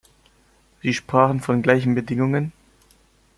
Sie sprachen von gleichen Bedingungen.